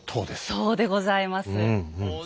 そうでございます。